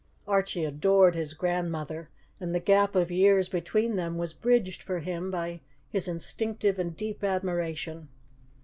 Archie adored his grandmother, and the gap of years between them was bridged for him by his instinctive and deep admiration.